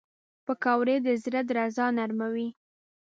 پکورې د زړه درزا نرموي